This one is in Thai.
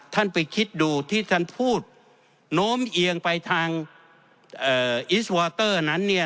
ท่านไปคิดดูที่ท่านพูดโน้มเอียงไปทางอิสวอเตอร์นั้นเนี่ย